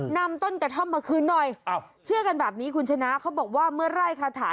นำต้นกระท่อมมาคืนหน่อย